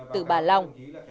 từ bà long